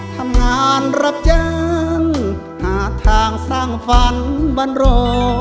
ทำงานรับเจ้นหาทางสร้างฝันบรรโร